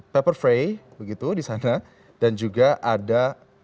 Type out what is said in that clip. paper fray begitu di sana dan juga ada